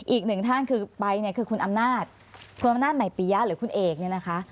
อีกหนึ่งท่านคือไปเนี่ยคือคุณอำนาจคุณอำนาจใหม่ปียะหรือคุณเอกเนี่ยนะคะ